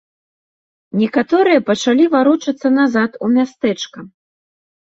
Некаторыя пачалі варочацца назад у мястэчка.